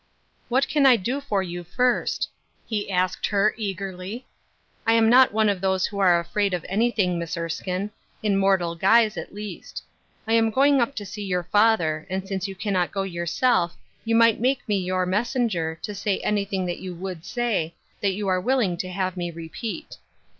" What can I do for you, first ?" he asked her, eagerly ;" I am not one of those who are afraid of anything, Miss Eiskine; in mortal guise, at least. I am going up to see your father, and since you can not go yourself, you might make me your messenger, to say anything that you would say, that you are willing to have me repeat."